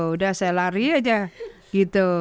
udah saya lari aja gitu